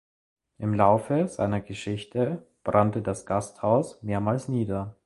Im Laufe seiner Geschichte brannte das Gasthaus mehrmals nieder.